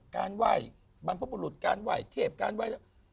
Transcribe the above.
การไหว้บรรพบุรุษการไหว้เทพการไหว้